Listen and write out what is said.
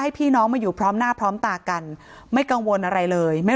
พี่น้องมาอยู่พร้อมหน้าพร้อมตากันไม่กังวลอะไรเลยไม่